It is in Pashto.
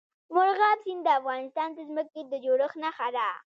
مورغاب سیند د افغانستان د ځمکې د جوړښت نښه ده.